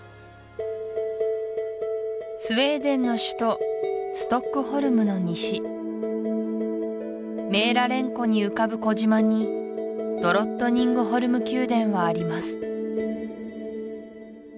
スウェーデンの首都ストックホルムの西メーラレン湖に浮かぶ小島にドロットニングホルム宮殿はあります